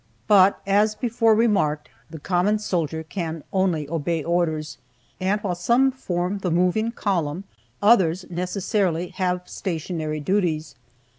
But, as before remarked, the common soldier can only obey orders, and while some form the moving column, others necessarily have stationary duties.